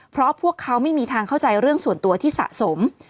เพราะพวกเขาไม่มีทางเข้าใจเรื่องส่วนตัวที่สะสม